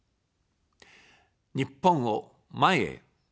日本を、前へ。